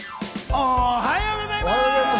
おはようございます！